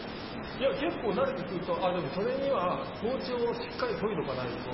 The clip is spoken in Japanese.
いや結構慣れて来るとあぁでもそれには包丁をしっかり研いどかないと。